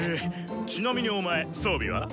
ちなみにお前装備は？